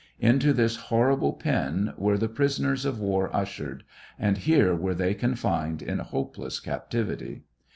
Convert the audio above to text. Into this hor rible pen were the prisoners of war ushered, and here were they confined in hopeless captivity.